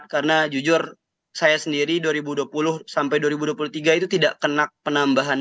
karena jujur saya sendiri dua ribu dua puluh sampai dua ribu dua puluh tiga itu tidak kena penambahan